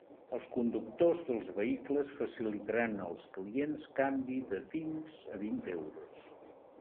Els conductors dels vehicles facilitaran als clients canvi de fins a vint euros.